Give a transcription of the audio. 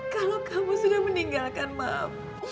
kalau kamu sudah meninggalkan maaf